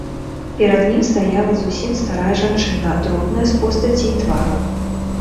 Перад ім стаяла зусім старая жанчына, дробная з постаці і твару.